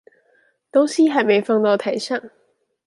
東西還沒放到台上